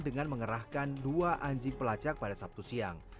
dengan mengerahkan dua anjing pelacak pada sabtu siang